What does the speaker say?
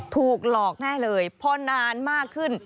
ถูกหลอกแน่เลยพอนานมากขึ้น